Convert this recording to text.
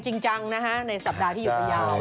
จริงจังนะฮะในสัปดาห์ที่หยุดไปยาว